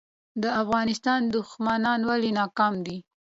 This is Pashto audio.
د افغانستان دښمنان ولې ناکام دي؟